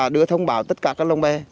đưa thông báo tất cả các lông bè